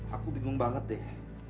aku bingung banget deh